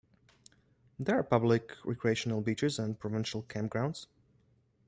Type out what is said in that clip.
There are public recreational beaches and provincial campgrounds.